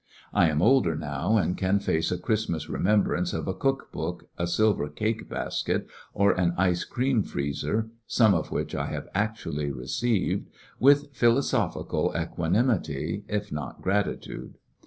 I am older now, and can face a Christmas remembrance of a cook book, a silver cake basket, or an ice cream freezer (some of which I have actually received) with philosophical equanimity, if not gratitude.